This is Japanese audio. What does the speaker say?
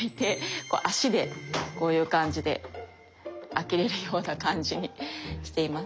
足でこういう感じで開けれるような感じにしています。